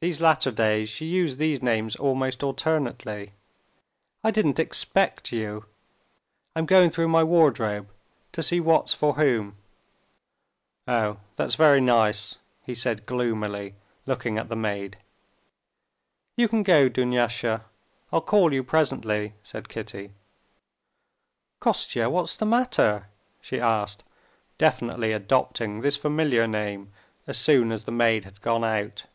(These latter days she used these names almost alternately.) "I didn't expect you! I'm going through my wardrobe to see what's for whom...." "Oh! that's very nice!" he said gloomily, looking at the maid. "You can go, Dunyasha, I'll call you presently," said Kitty. "Kostya, what's the matter?" she asked, definitely adopting this familiar name as soon as the maid had gone out.